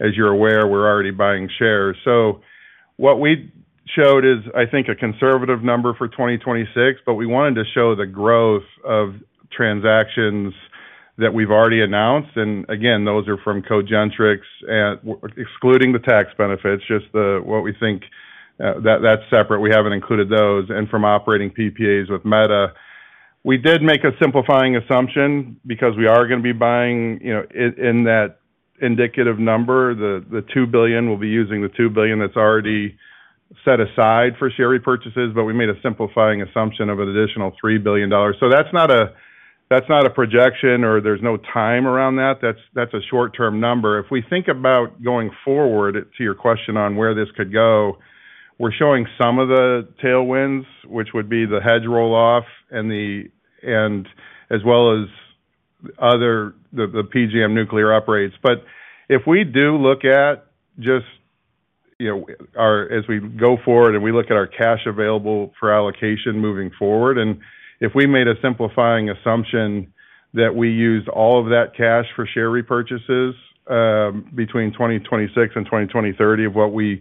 as you're aware, we're already buying shares. What we showed is, I think, a conservative number for 2026. We wanted to show the growth of transactions that we've already announced. Again, those are from Cogentrix, and excluding the tax benefits, just the, what we think, that's separate. We haven't included those and from operating PPAs with Meta. We did make a simplifying assumption because we are going to be buying, in that indicative number, the $2 billion. We'll be using the $2 billion that's already set aside for share repurchases. We made a simplifying assumption of an additional $3 billion. That's not a projection, or there's no time around that. That's a short-term number. If we think about going forward, to your question on where this could go, we're showing some of the tailwinds, which would be the hedge roll-off and as well as other, the PJM nuclear operates. If we do look at just, you know, as we go forward and we look at our cash available for allocation moving forward, and if we made a simplifying assumption that we used all of that cash for share repurchases, between 2026 and 2030 of what we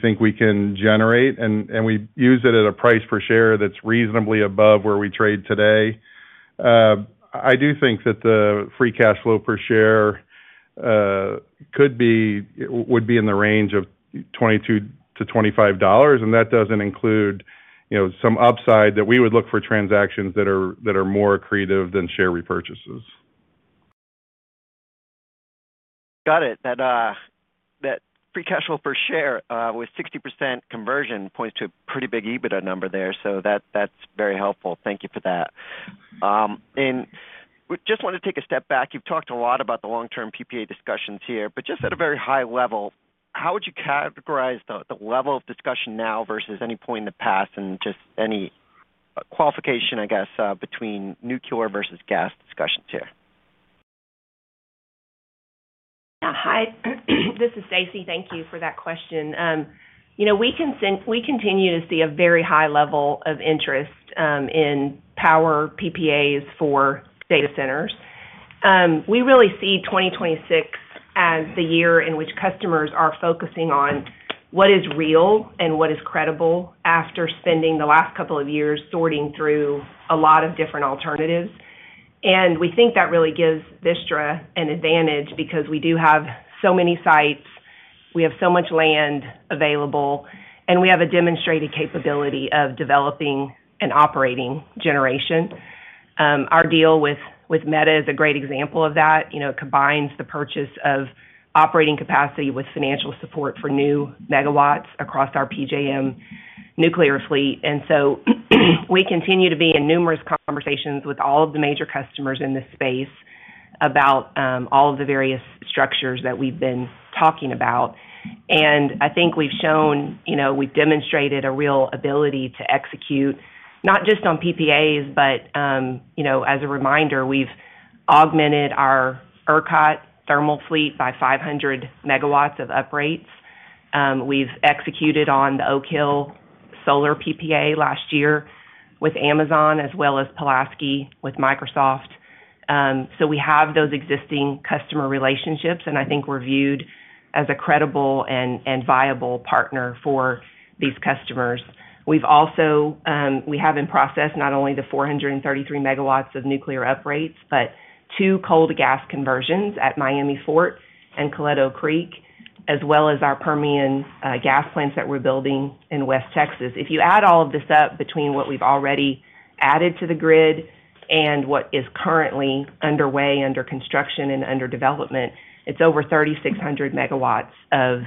think we can generate, and we use it at a price per share that's reasonably above where we trade today, I do think that the free cash flow per share would be in the range of $22-$25, and that doesn't include, you know, some upside that we would look for transactions that are more accretive than share repurchases. Got it. That free cash flow per share with 60% conversion points to a pretty big EBITDA number there. That's very helpful. Thank you for that. We just want to take a step back. You've talked a lot about the long-term PPA discussions here, but just at a very high level, how would you categorize the level of discussion now versus any point in the past and just any qualification, I guess, between nuclear versus gas discussions here? Hi, this is Stacey. Thank you for that question. You know, we continue to see a very high level of interest in power PPAs for data centers. We really see 2026 as the year in which customers are focusing on what is real and what is credible after spending the last couple of years sorting through a lot of different alternatives. We think that really gives Vistra an advantage because we do have so many sites, we have so much land available, and we have a demonstrated capability of developing and operating generation. Our deal with Meta is a great example of that. You know, it combines the purchase of operating capacity with financial support for new megawatts across our PJM nuclear fleet. We continue to be in numerous conversations with all of the major customers in this space about all the various structures that we've been talking about. I think we've shown, you know, we've demonstrated a real ability to execute, not just on PPAs, but, you know, as a reminder, we've augmented our ERCOT thermal fleet by 500 MW of uprates. We've executed on the Oak Hill Solar PPA last year with Amazon, as well as Pulaski with Microsoft. We have those existing customer relationships, and I think we're viewed as a credible and viable partner for these customers. We've also, we have in process not only the 433 MW of nuclear uprates, but two cold gas conversions at Miami Fort and Coleto Creek, as well as our Permian gas plants that we're building in West Texas. If you add all of this up between what we've already added to the grid and what is currently underway under construction and under development, it's over 3,600 MW of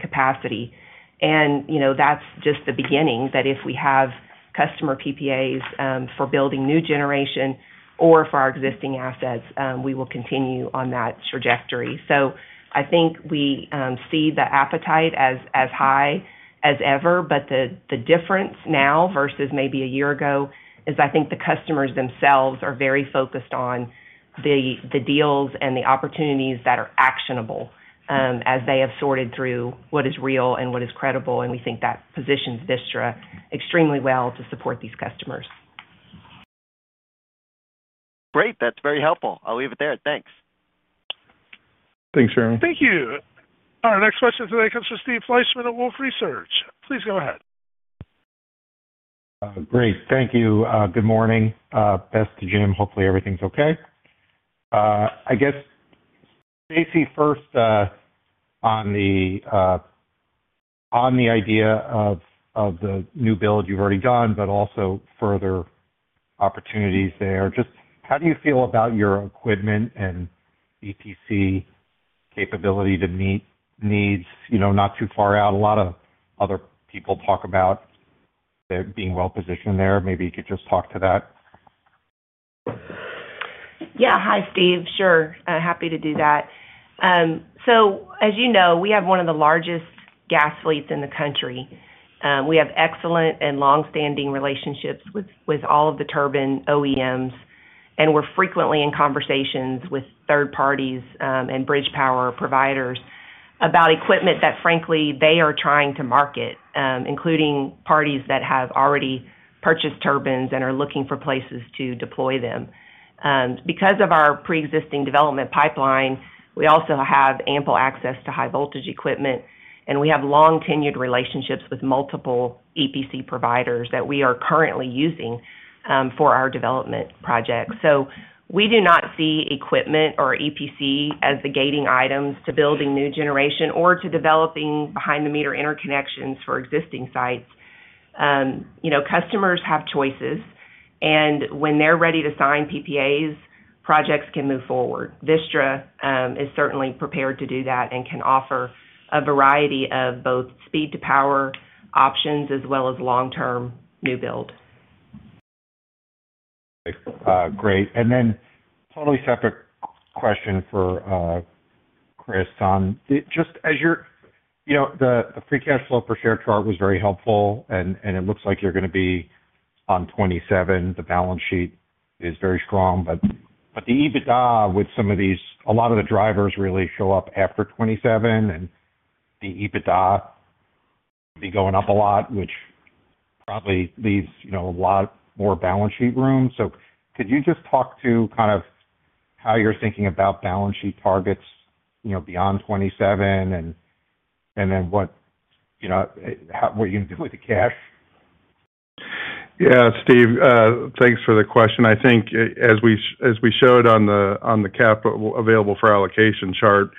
capacity. You know, that's just the beginning, that if we have customer PPAs for building new generation or for our existing assets, we will continue on that trajectory. I think we see the appetite as high as ever, but the difference now versus maybe a year ago, is I think the customers themselves are very focused on the deals and the opportunities that are actionable, as they have sorted through what is real and what is credible, and we think that positions Vistra extremely well to support these customers. Great! That's very helpful. I'll leave it there. Thanks. Thanks, Jeremy. Thank you. Our next question today comes from Steve Fleishman of Wolfe Research. Please go ahead. Great. Thank you. Good morning. Best to Jim. Hopefully, everything's okay. I guess, Stacey, first, on the idea of the new build you've already done, but also further opportunities there, just how do you feel about your equipment and EPC capability to meet needs, you know, not too far out? A lot of other people talk about being well-positioned there. Maybe you could just talk to that. Yeah. Hi, Steve. Sure, happy to do that. As you know, we have one of the largest gas fleets in the country. We have excellent and long-standing relationships with all of the turbine OEMs, and we're frequently in conversations with third parties, and bridge power providers about equipment that, frankly, they are trying to market, including parties that have already purchased turbines and are looking for places to deploy them. Because of our preexisting development pipeline, we also have ample access to high voltage equipment, and we have long-tenured relationships with multiple EPC providers that we are currently using for our development projects. We do not see equipment or EPC as the gating items to building new generation or to developing behind-the-meter interconnections for existing sites. You know, customers have choices, and when they're ready to sign PPAs, projects can move forward. Vistra is certainly prepared to do that and can offer a variety of both speed-to-power options as well as long-term new build. Great. Totally separate question for Kris, on, just as you know, the free cash flow per share chart was very helpful, and it looks like you're going to be on 2027. The balance sheet is very strong, but the EBITDA with some of these, a lot of the drivers really show up after 2027, and the EBITDA will be going up a lot, which probably leaves, you know, a lot more balance sheet room. Could you just talk to kind of how you're thinking about balance sheet targets, you know, beyond 2027? What, you know, how, what are you gonna do with the cash? Yeah, Steve, thanks for the question. I think as we showed on the capital available for allocation chart,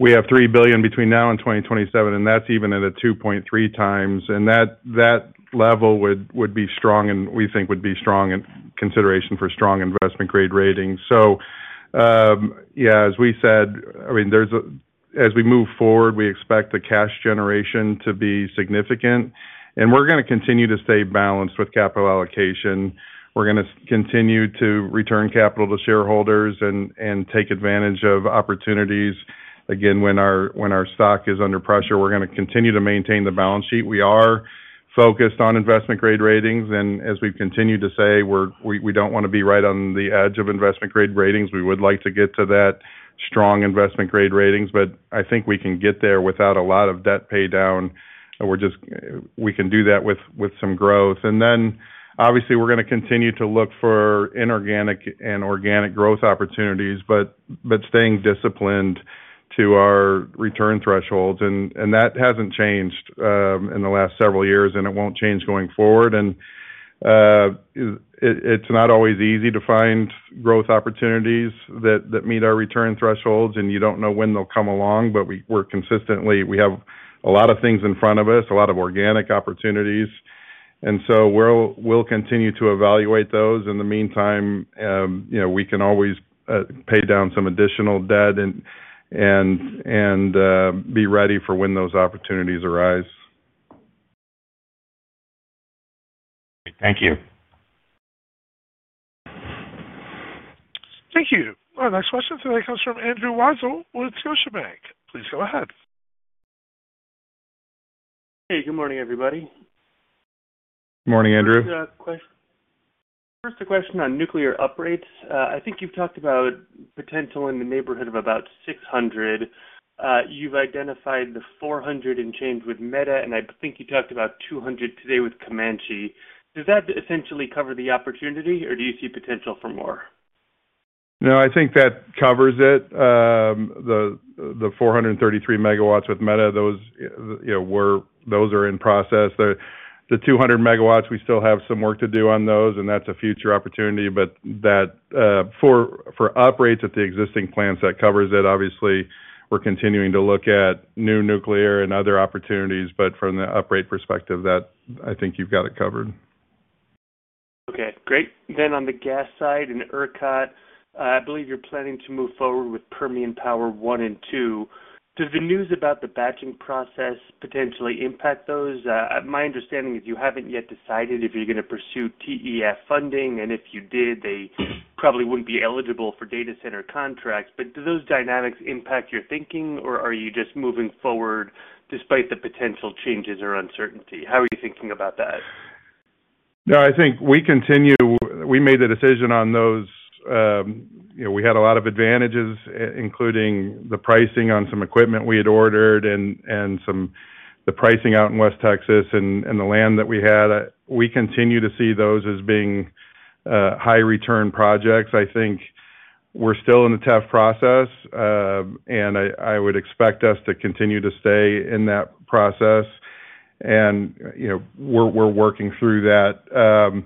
we have $3 billion between now and 2027, and that's even at a 2.3 times. That level would be strong, and we think would be strong in consideration for strong investment-grade ratings. Yeah, as we said, I mean, as we move forward, we expect the cash generation to be significant, and we're gonna continue to stay balanced with capital allocation. We're gonna continue to return capital to shareholders and take advantage of opportunities. Again, when our stock is under pressure, we're gonna continue to maintain the balance sheet. We are focused on investment-grade ratings, and as we've continued to say, we don't want to be right on the edge of investment-grade ratings. We would like to get to that strong investment-grade ratings, but I think we can get there without a lot of debt paydown. We can do that with some growth. Obviously, we're gonna continue to look for inorganic and organic growth opportunities, but staying disciplined to our return thresholds, and that hasn't changed in the last several years, and it won't change going forward. It's not always easy to find growth opportunities that meet our return thresholds, and you don't know when they'll come along, but We have a lot of things in front of us, a lot of organic opportunities, we'll continue to evaluate those. In the meantime, you know, we can always pay down some additional debt and be ready for when those opportunities arise. Thank you. Thank you. Our next question today comes from Andrew Weisel with Scotiabank. Please go ahead. Hey, good morning, everybody. Morning, Andrew. First, a question on nuclear uprates. I think you've talked about potential in the neighborhood of about 600. You've identified the 400 and change with Meta, and I think you talked about 200 today with Comanche. Does that essentially cover the opportunity, or do you see potential for more? I think that covers it. The 433 MW with Meta, those, you know, those are in process. The 200 MW, we still have some work to do on those, and that's a future opportunity. That, for uprates at the existing plants, that covers it. Obviously, we're continuing to look at new nuclear and other opportunities, but from the uprate perspective, that, I think you've got it covered. Okay, great. On the gas side, in ERCOT, I believe you're planning to move forward with Permian Power One and Two. Does the news about the batching process potentially impact those? My understanding is you haven't yet decided if you're going to pursue TEF funding, and if you did, they probably wouldn't be eligible for data center contracts. Do those dynamics impact your thinking, or are you just moving forward despite the potential changes or uncertainty? How are you thinking about that? No, I think we continue. We made the decision on those. You know, we had a lot of advantages, including the pricing on some equipment we had ordered and the pricing out in West Texas and the land that we had. We continue to see those as being high return projects. I think we're still in the TEF process, and I would expect us to continue to stay in that process. You know, we're working through that.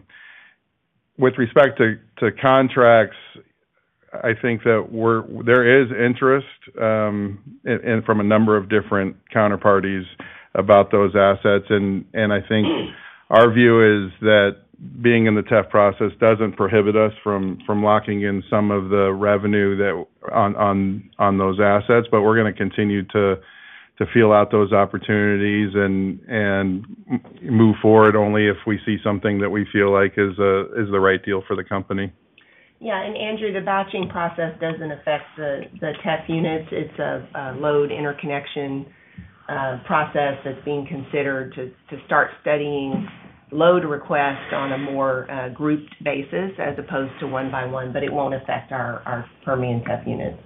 With respect to contracts. I think that there is interest, and from a number of different counterparties about those assets. I think our view is that being in the TEF process doesn't prohibit us from locking in some of the revenue that on those assets. We're going to continue to feel out those opportunities and move forward only if we see something that we feel like is the right deal for the company. Yeah, Andrew, the batching process doesn't affect the TEF units. It's a load interconnection process that's being considered to start studying load requests on a more grouped basis as opposed to one by one, but it won't affect our Permian TEF units.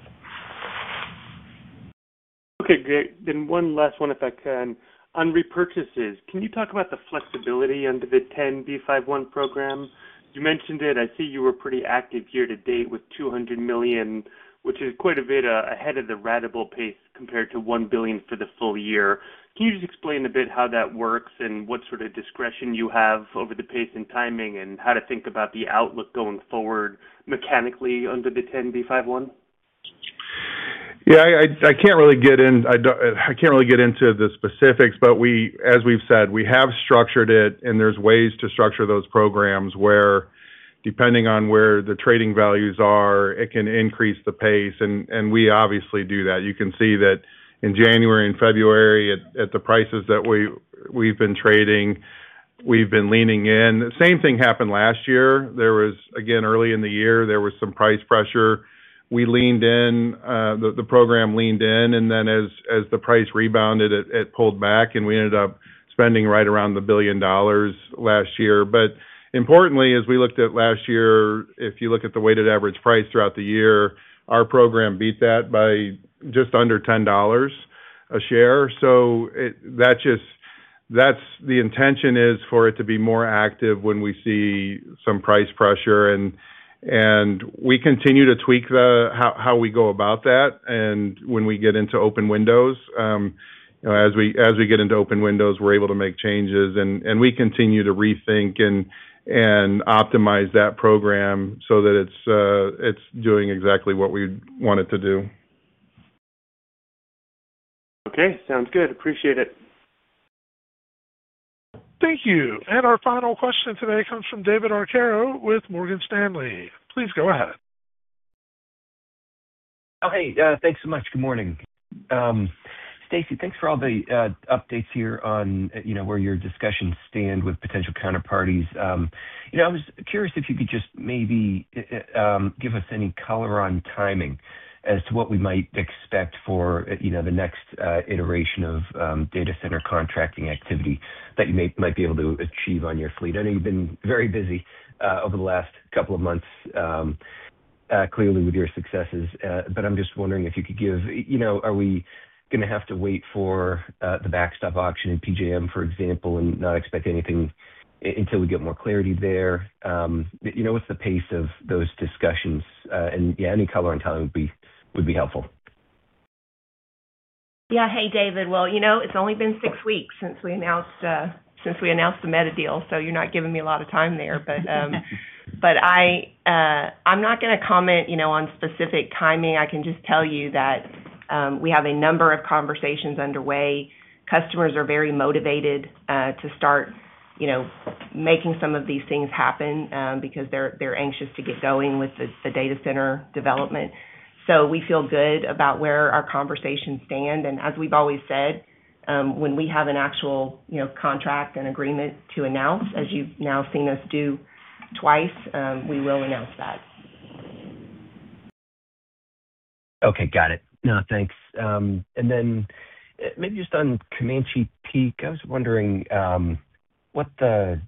Okay, great. One last one, if I can. On repurchases, can you talk about the flexibility under the 10b5-1 program? You mentioned it. I see you were pretty active year-to-date with $200 million, which is quite a bit ahead of the ratable pace compared to $1 billion for the full-year. Can you just explain a bit how that works and what sort of discretion you have over the pace and timing, and how to think about the outlook going forward mechanically under the 10b5-1? I can't really get into the specifics, but as we've said, we have structured it, and there's ways to structure those programs where depending on where the trading values are, it can increase the pace, and we obviously do that. You can see that in January and February at the prices that we've been trading, we've been leaning in. The same thing happened last year. There was, again, early in the year, there was some price pressure. We leaned in, the program leaned in, and then as the price rebounded, it pulled back, and we ended up spending right around $1 billion last year. Importantly, as we looked at last year, if you look at the weighted average price throughout the year, our program beat that by just under $10 a share. That's the intention is for it to be more active when we see some price pressure, and we continue to tweak the how we go about that. When we get into open windows, you know, as we get into open windows, we're able to make changes, and we continue to rethink and optimize that program so that it's doing exactly what we want it to do. Okay, sounds good. Appreciate it. Thank you. Our final question today comes from David Arcaro with Morgan Stanley. Please go ahead. Thanks so much. Good morning. Stacey, thanks for all the updates here on, you know, where your discussions stand with potential counterparties. You know, I was curious if you could just maybe give us any color on timing as to what we might expect for, you know, the next iteration of data center contracting activity that you might be able to achieve on your fleet. I know you've been very busy over the last couple of months, clearly with your successes, but I'm just wondering, you know, are we going to have to wait for the backstop auction in PJM, for example, and not expect anything until we get more clarity there? You know, what's the pace of those discussions? Yeah, any color on timing would be helpful. Yeah. Hey, David. Well, you know, it's only been six weeks since we announced, since we announced the Meta deal, you're not giving me a lot of time there. I'm not going to comment, you know, on specific timing. I can just tell you that we have a number of conversations underway. Customers are very motivated to start, you know, making some of these things happen because they're anxious to get going with the data center development. We feel good about where our conversations stand, and as we've always said, when we have an actual, you know, contract and agreement to announce, as you've now seen us do twice, we will announce that. Okay, got it. No, thanks. Then maybe just on Comanche Peak, I was wondering, what the,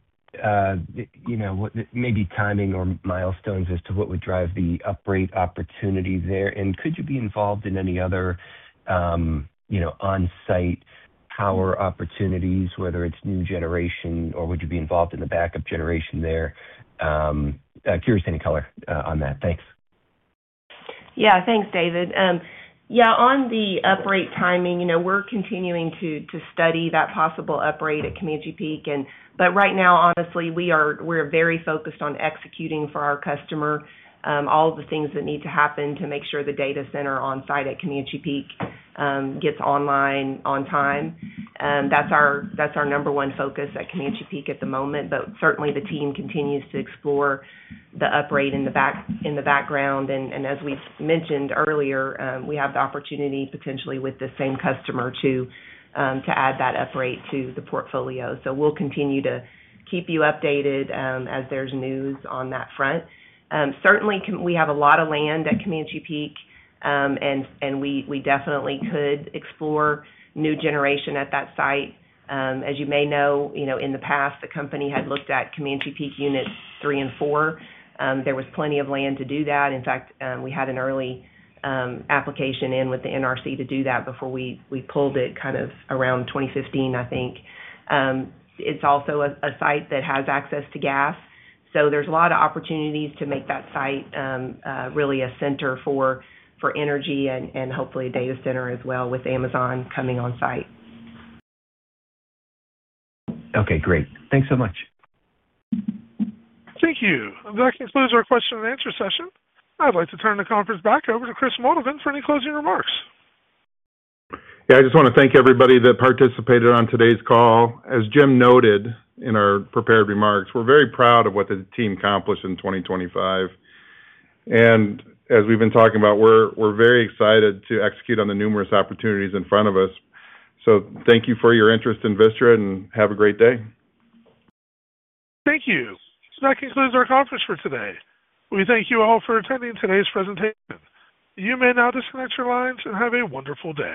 you know, what maybe timing or milestones as to what would drive the uprate opportunity there? Could you be involved in any other, you know, on-site power opportunities, whether it's new generation, or would you be involved in the backup generation there? Curious, any color on that? Thanks. Thanks, David. On the uprate timing, you know, we're continuing to study that possible uprate at Comanche Peak. Right now, honestly, we are, we're very focused on executing for our customer, all the things that need to happen to make sure the data center on site at Comanche Peak gets online on time. That's our, that's our number one focus at Comanche Peak at the moment. Certainly, the team continues to explore the uprate in the background. As we mentioned earlier, we have the opportunity potentially with the same customer to add that uprate to the portfolio. We'll continue to keep you updated as there's news on that front. Certainly, we have a lot of land at Comanche Peak, and we definitely could explore new generation at that site. As you may know, you know, in the past, the company had looked at Comanche Peak units three and four. There was plenty of land to do that. In fact, we had an early application in with the NRC to do that before we pulled it kind of around 2015, I think. It's also a site that has access to gas, so there's a lot of opportunities to make that site really a center for energy and hopefully a data center as well, with Amazon coming on site. Okay, great. Thanks so much. Thank you. That concludes our question and answer session. I'd like to turn the conference back over to Kris Moldovan for any closing remarks. Yeah, I just want to thank everybody that participated on today's call. As Jim noted in our prepared remarks, we're very proud of what the team accomplished in 2025. As we've been talking about, we're very excited to execute on the numerous opportunities in front of us. Thank you for your interest in Vistra, and have a great day. Thank you. That concludes our conference for today. We thank you all for attending today's presentation. You may now disconnect your lines and have a wonderful day.